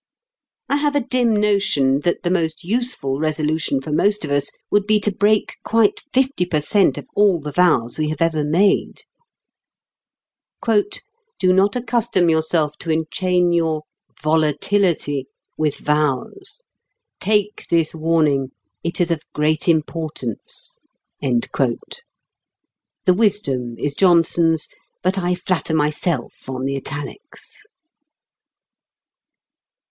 I have a dim notion that the most useful Resolution for most of us would be to break quite fifty per cent. of all the vows we have ever made. "Do not accustom yourself to enchain your volatility with vows.... Take this warning; it is of great importance." (The wisdom is Johnson's, but I flatter myself on the italics.)